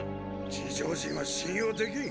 地上人は信用できん。